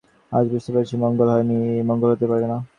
আজ বুঝতে পারছি এতে মঙ্গল হয় নি এবং মঙ্গল হতে পারে না।